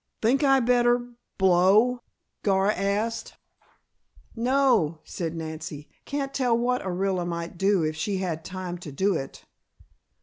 "Think I better blow?" Gar asked. "No," said Nancy. "Can't tell what Orilla might do if she had time to do it."